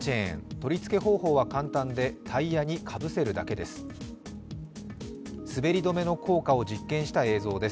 取り付け方法は簡単で、タイヤにかぶせるだけです。